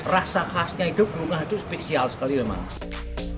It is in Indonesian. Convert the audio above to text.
rasa khasnya itu kelungah itu spesial sekali memang